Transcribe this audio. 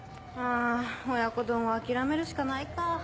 あぁ親子丼は諦めるしかないか。